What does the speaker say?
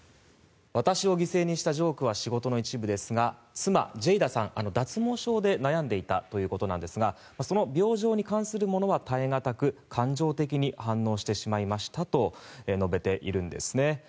私を犠牲にしたジョークは仕事の一部ですが妻のジェイダさんは脱毛症で悩んでいたということですがその病状に関するものは耐え難く感情的に反応してしまいましたと述べているんですね。